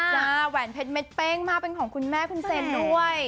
แหวนเพชรเม็ดเป้งมากเป็นของคุณแม่คุณเซนด้วย